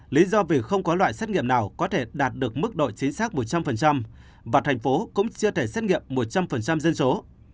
lý do vì không có loại xét nghiệm nào có thể đạt được mức độ chính xác một trăm linh và thành phố cũng chưa thể xét nghiệm một trăm linh dân số